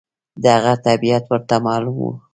د هغه طبیعت ورته معلوم و.